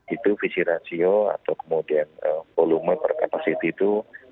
itu visi rasio atau kemudian volume per capacity itu